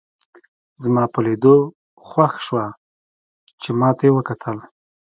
زما په لیدو خوښ شوه چې ما ته یې وکتل.